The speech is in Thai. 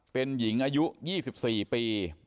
เป็นหญิงอายุ๒๔ปี